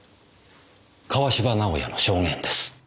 川芝直哉の証言です。